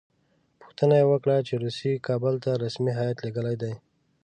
پوښتنه یې وکړه چې روسیې کابل ته رسمي هیات لېږلی دی.